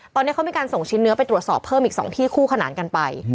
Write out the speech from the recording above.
ตอนนี้เขามีการส่งชิ้นเนื้อไปตรวจสอบเพิ่มอีก๒ที่คู่ขนานกันไป